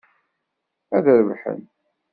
Ad rebḥen.